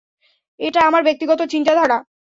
এটা আমার ব্যক্তিগত চিন্তাধারা।